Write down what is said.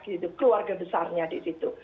keluarga besarnya di situ